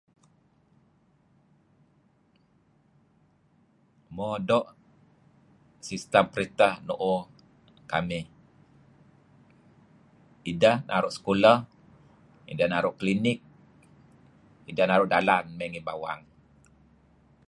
Mo, doo' sistem periteh nu'uh kamih. Ideh naru' sekuleh, ideh naru' klinik, ideh naru' dalan mey ngih bawang.